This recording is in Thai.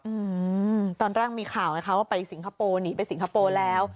อืมตอนแรกมีข่าวไงคะว่าไปสิงคโปร์หนีไปสิงคโปร์แล้ว